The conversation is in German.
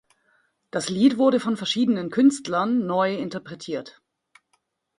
Das Lied wurde von verschiedenen Künstlern neu interpretiert.